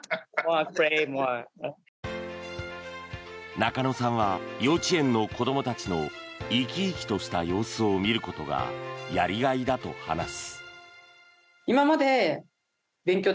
中野さんは幼稚園の子どもたちの生き生きとした様子を見ることがやりがいだと話す。